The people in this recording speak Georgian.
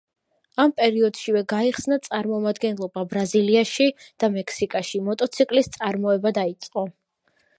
ამ პერიოდშივე გაიხსნა წარმომადგენლობა ბრაზილიაში და მექსიკაში მოტოციკლის წარმოება დაიწყო.